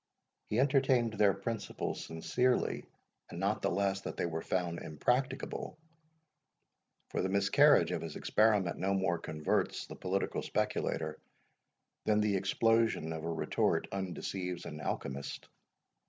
He entertained their principles sincerely and not the less that they were found impracticable; for the miscarriage of his experiment no more converts the political speculator, than the explosion of a retort undeceives an alchymist.